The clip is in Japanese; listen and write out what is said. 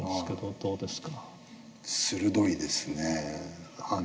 どうですか？